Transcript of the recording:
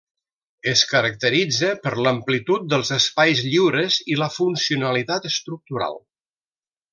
Es caracteritza per l'amplitud dels espais lliures i la funcionalitat estructural.